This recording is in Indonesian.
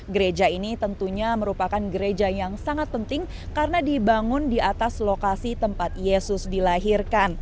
gereja ini tentunya merupakan gereja yang sangat penting karena dibangun di atas lokasi tempat yesus dilahirkan